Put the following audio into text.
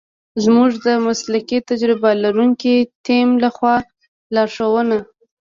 زمونږ د مسلکي تجربه لرونکی تیم لخوا لارښونه